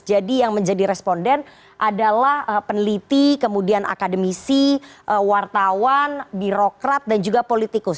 jadi yang menjadi responden adalah peneliti kemudian akademisi wartawan birokrat dan juga politikus